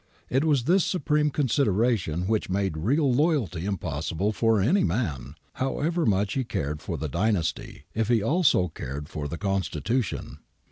It was this supreme consideration which made real loyalty im possible for any man, however much he cared for the dynasty, if he also cared for the Constitution.